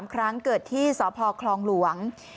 ครั้งเกิดที่สพคลองหลวง